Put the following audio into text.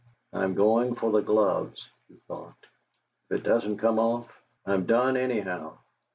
'. am going for the gloves,' he thought; 'if it doesn't come off, I'm done anyhow.'